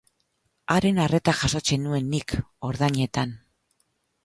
Haren arreta jasotzen nuen nik, ordainetan.